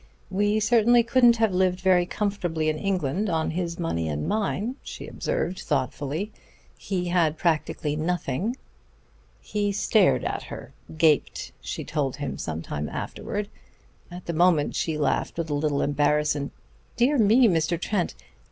"We certainly couldn't have lived very comfortably in England on his money and mine," she observed thoughtfully. "He had practically nothing then." He stared at her "gaped," she told him some time afterwards. At the moment she laughed with a little embarrassment. "Dear me, Mr. Trent!